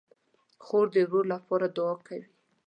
خور د ورور لپاره دعا کوي.